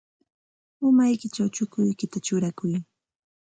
Umaykićhaw chukuykita churaykuy.